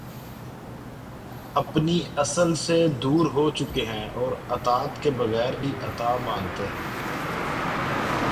اپنی اصل سے دور ہوچکے ہیں اور اطاعت کے بغیر ہی عطا مانگتے ہیں